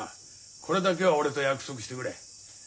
これだけは俺と約束してくれ。